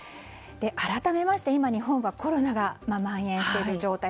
改めまして今、日本はコロナがまん延している状態。